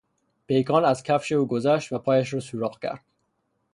پیکان از کفش او گذشت و پایش را سوراخ کرد.